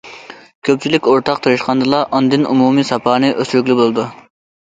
كۆپچىلىك ئورتاق تىرىشقاندىلا، ئاندىن ئومۇمىي ساپانى ئۆستۈرگىلى بولىدۇ.